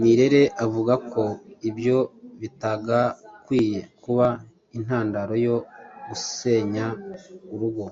Nirere avuga ko ibyo bitagakwiye kuba intandaro yo gusenya urugo,